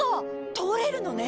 通れるのね！